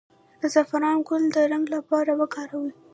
د زعفران ګل د رنګ لپاره وکاروئ